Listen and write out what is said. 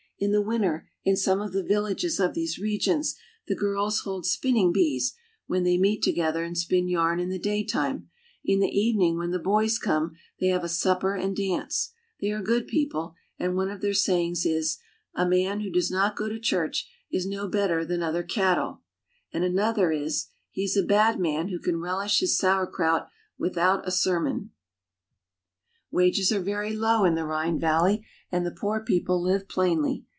In the winter, in some of the villages of these regions, the girls hold spinning bees, when they meet together and spin yarn in the daytime ; in the evening, when the boys come, they have a supper and dance. They are good people and one of their sayings is :" A man who does not go to church is no better than other cattle ;" and another is :" He is a bad man who can relish his sauerkraut without a sermon !" UP THE RHINE TO SWITZERLAND. 24 1 Wages are very low in the Rhine Valley, and the poor people live plainly.